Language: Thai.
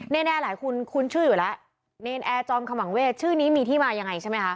แน่หลายคนคุ้นชื่ออยู่แล้วเนรนแอร์จอมขมังเวศชื่อนี้มีที่มายังไงใช่ไหมคะ